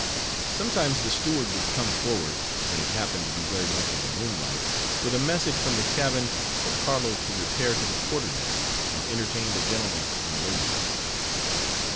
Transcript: Sometimes, the steward would come forward, when it happened to be very much of a moonlight, with a message from the cabin, for Carlo to repair to the quarterdeck, and entertain the gentlemen and ladies.